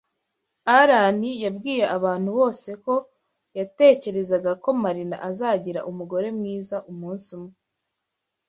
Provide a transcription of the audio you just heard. Alain yabwiye abantu bose ko yatekerezaga ko Marina azagira umugore mwiza umunsi umwe.